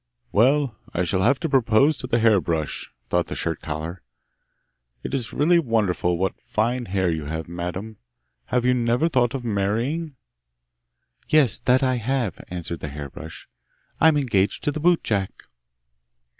'Well, I shall have to propose to the hair brush!' thought the shirt collar. 'It is really wonderful what fine hair you have, madam! Have you never thought of marrying?' 'Yes, that I have!' answered the hair brush; 'I'm engaged to the boot jack!